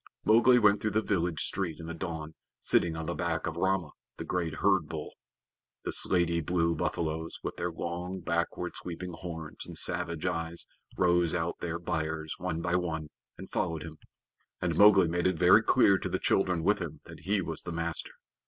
Mowgli went through the village street in the dawn, sitting on the back of Rama, the great herd bull. The slaty blue buffaloes, with their long, backward sweeping horns and savage eyes, rose out their byres, one by one, and followed him, and Mowgli made it very clear to the children with him that he was the master.